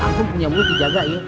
langsung punya mulut dijaga ya